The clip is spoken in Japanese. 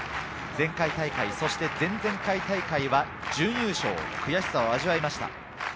前回大会、そして前々回大会は準優勝、悔しさを味わいました。